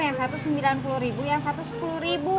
yang satu sembilan puluh ribu yang satu sepuluh ribu